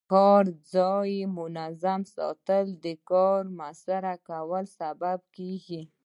د کار ځای منظم ساتل د کار موثره کولو سبب کېږي.